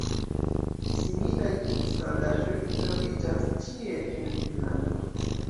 Similaj instalaĵoj troviĝas ĉie en Irlando.